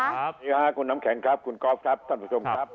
สวัสดีค่ะคุณน้ำแข็งครับคุณกอล์ฟครับท่านผู้ชมครับ